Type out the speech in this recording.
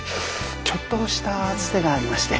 ちょっとしたツテがありまして。